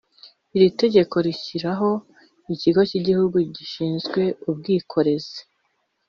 Iri tegeko rishyiraho Ikigo cy Igihugu Gishinzwe ubwikorezi